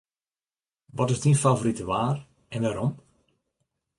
Wat is dyn favorite waar en wêrom?